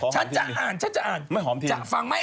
ฉันจะอ่านจะฟังไหมเอ้าไม่หอมทิ้ง